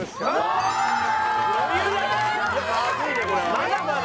まだまだ！